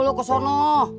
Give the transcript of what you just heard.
cek dulu kesana